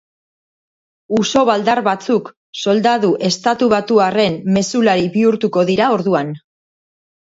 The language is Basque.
Uso baldar batzuk soldadu estatubatuarrenmezulari bihurtuko dira orduan.